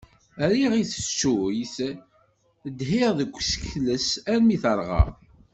Rriɣ i teccuyt, dhiɣ deg usekles armi terɣa.